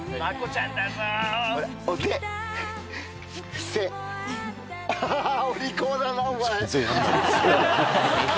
伏せお利口だなお前。